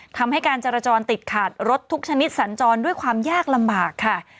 ทำให้การจรจรติดขาดรถทุกชนิดสัญจรด้วยความยากลำบากค่ะ